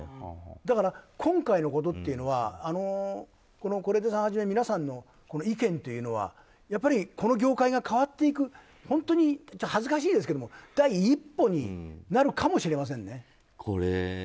だから、今回のことっていうのは是枝さんをはじめ皆さんの意見というのはこの業界が変わっていく本当に恥ずかしいですけども第一歩になるかもしれませんね。